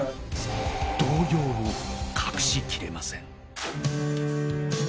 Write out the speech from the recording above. ［動揺を隠しきれません］